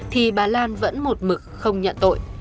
thì bà lan vẫn một mực không nhận tội